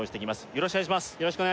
よろしくお願いします